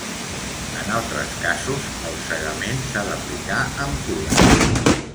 En altres casos, el cegament s'ha d'aplicar amb cura.